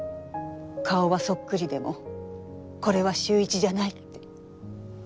顔はそっくりでもこれは秀一じゃないって。